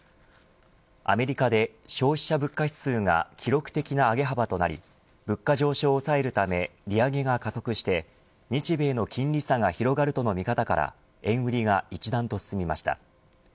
アメリカで消費者物価指数が記録的な上げ幅となり物価上昇を抑えるため利上げが加速して日米の金利差が広がるとの見方から円売りが一段と進みました。